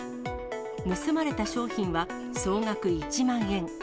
盗まれた商品は総額１万円。